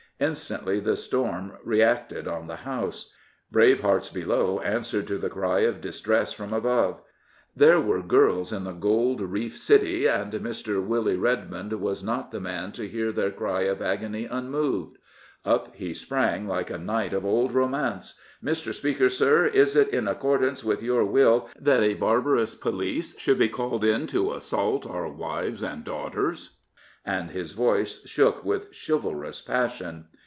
Instantly the storm reacted on the House. Brave hearts below answered to the cry of distress from above. " There 247 Prophets, Priests, and Kings were girls in the gold reef city/' and Mr. Willie Red mond was not the man to hear their cry of agony unmoved. Up he sprang like a knight of old romance. " Mr. Speaker, Sir, is it in accordance with your will that a barbarous police should be called in to assault our wives and daughters? " and his voice shook with chivalrous passion.